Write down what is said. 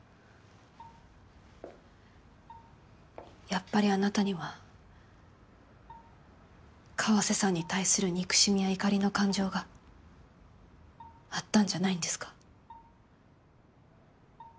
やっぱりあなたには川瀬さんに対する憎しみや怒りの感情があったんじゃないんですか？